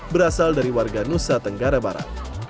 berasal dari warga nusa tenggara barat